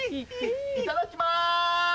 いただきます！